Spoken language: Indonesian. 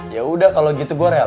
ya udah kalau gitu gue